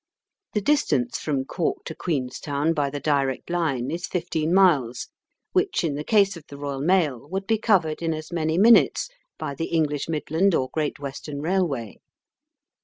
The distance from Cork to Queenstown by the direct line is fifteen miles, which in the case of the Eoyal mail would be covered in as many minutes by the English Midland or Great Western Rail way.